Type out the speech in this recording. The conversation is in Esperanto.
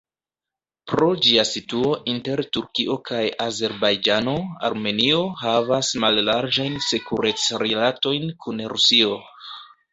Pro ĝia situo inter Turkio kaj Azerbajĝano, Armenio havas mallarĝajn sekurec-rilatojn kun Rusio.